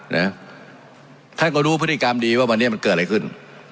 นะท่านก็รู้พฤติกรรมดีว่าวันนี้มันเกิดอะไรขึ้น